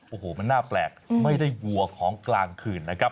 โอ้โหมันน่าแปลกไม่ได้วัวของกลางคืนนะครับ